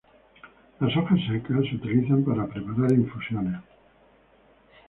Las hojas secas se utilizan para preparar infusiones.